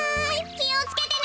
きをつけてね！